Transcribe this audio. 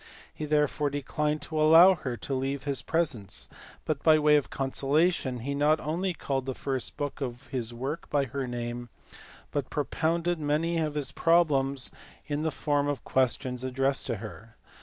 He therefore declined to allow her to leave his presence, but by way of consolation he not only called the first book of his work by her name, but propounded many of his problems in BHASKARA. 159 the form of questions addressed to her.